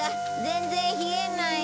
全然冷えない。